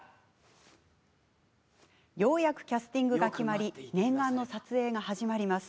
ようやくキャスティングが決まり念願の撮影が始まります。